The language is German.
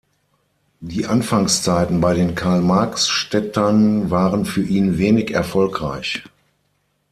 Die Anfangszeiten bei den Karl-Marx-Städtern waren für ihn wenig erfolgreich.